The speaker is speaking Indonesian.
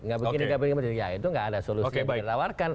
tidak begini tidak begini tidak begini ya itu tidak ada solusi yang ditawarkan